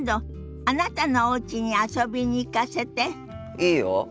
いいよ。